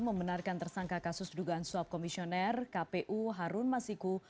membenarkan tersangka kasus dugaan suap komisioner kpu harun masiku